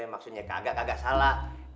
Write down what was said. maksudnya kagak kagak salah